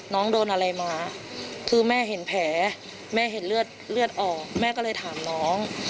น้องโดนอะไรมาคือแม่เห็นแผลแม่เห็นเลือดเลือดออกแม่ก็เลยถามน้อง